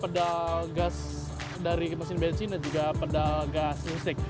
pedal gas dari mesin bensin dan juga pedal gas listrik